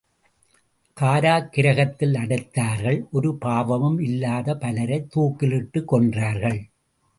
காராக்கிரகத்தில் அடைத்தார்கள் ஒரு பாவமும் இல்லாத பலரைத் தூக்கிலிட்டுக் கொன்றார்கள்!